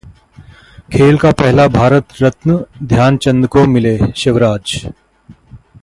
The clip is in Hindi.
खेल का पहला भारत रत्न ध्यानचंद को मिले: शिवराज